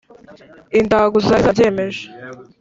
indagu zari zarabyemeje